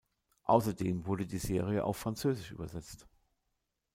Außerdem wurde die Serie auf Französisch übersetzt.